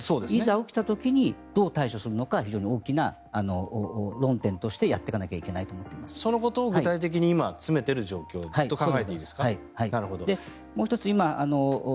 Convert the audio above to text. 起きた時にどう対処するのかは非常に大きな論点としてやっていかないといけないとそのことを具体的に今、詰めている状況だと考えていいですか。